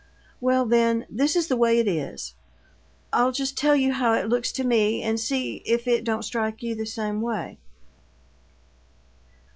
Well, then, this is the way it is. I'll just tell you how it looks to me and see if it don't strike you the same way."